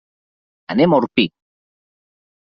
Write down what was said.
Anem a Orpí.